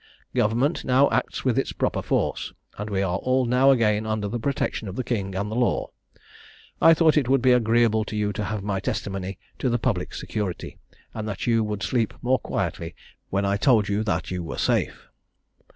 "Government now acts with its proper force; and we are all now again under the protection of the king and the law. I thought it would be agreeable to you to have my testimony to the public security; and that you would sleep more quietly when I told you that you were safe.